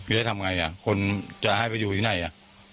จะทำไงอ่ะคนจะให้ไปอยู่ที่ไหนอ่ะ